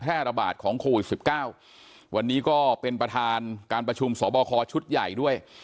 ระบาดของโควิดสิบเก้าวันนี้ก็เป็นประธานการประชุมสบคชุดใหญ่ด้วย